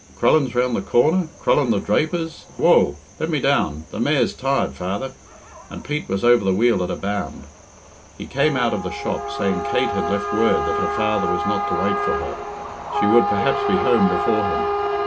Crellin's round the corner Crellin the draper's I Woa! Let me down! The mare's tired, father;" and Pete was over the wheel at a bound. He came out of the shop saying Kate had left word that her father was not to wait for her she would perhaps be home before him.